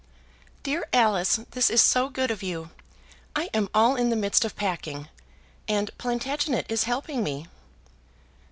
"Dear Alice, this is so good of you! I am all in the midst of packing, and Plantagenet is helping me."